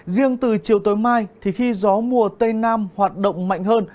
riêng từ chiều tối mai thì khi gió mùa tây nam hoạt động mạnh hơn